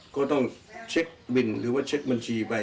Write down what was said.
ก็ต้องเช็คบินหรือว่าเช็คบัญชีไป